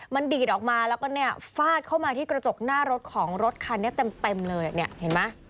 มันดีดออกมาแล้วก็เนี่ยฟาดเข้ามาที่กระจกหน้ารถของรถคันนี้เต็มเลยเนี่ยเห็นไหม